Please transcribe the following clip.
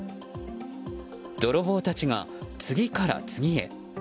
泥棒たちが次から次へ。